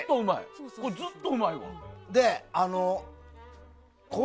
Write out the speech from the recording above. ずっとうまいわ、これ。